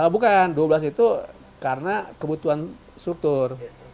bukan dua belas itu karena kebutuhan struktur